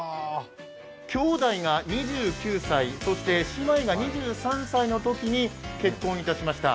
兄弟が２９歳、そして姉妹が２３歳のときに結婚いたしました。